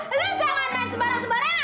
lo jangan main sembarang sembarangan